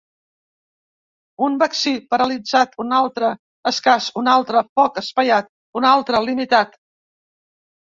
Un vaccí, paralitzat; un altre, escàs; un altre, poc espaiat; un altre, limitat.